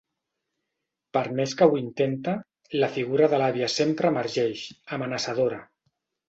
Per més que ho intenta, la figura de l'àvia sempre emergeix, amenaçadora.